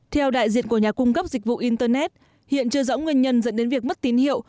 theo đại diện của nhà cung cấp dịch vụ internet hiện chưa rõ nguyên nhân dẫn đến việc mất tín hiệu